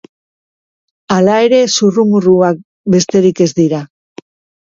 Hala ere, zurrumurruak besterik ez dira.